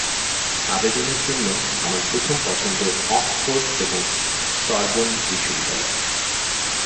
আবেদনের জন্য আমার প্রথম পছন্দ অক্সফোর্ড এবং সরবোন বিশ্ববিদ্যালয়।